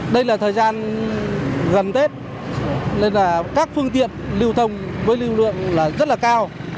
đây là thời gian gần tết nên là các phương tiện lưu thông với lưu lượng rất là cao